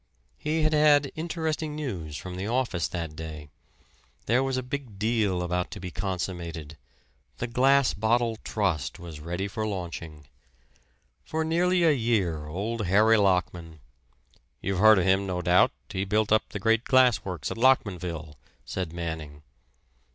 He had had interesting news from the office that day; there was a big deal about to be consummated the Glass Bottle Trust was ready for launching. For nearly a year old Harry Lockman "You've heard of him, no doubt he built up the great glass works at Lockmanville?" said Manning.